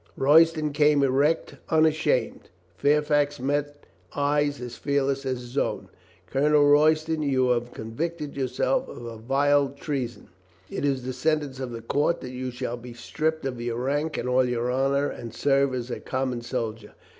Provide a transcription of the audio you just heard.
Royston came erect, unashamed. Fairfax met eyes as fearless as his own. "Colonel Royston, you have convicted yourself of a vile treason. It is the sentence of the court that you shall be stripped of your rank and all your honor and serve as a com mon soldier.